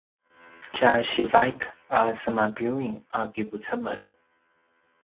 tja sivaik a semabiuying a kipucemel